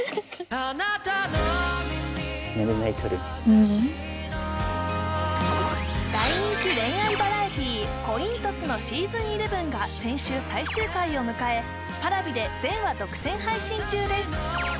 ううん大人気恋愛バラエティー「恋んトス」のｓｅａｓｏｎ１１が先週最終回を迎えＰａｒａｖｉで全話独占配信中です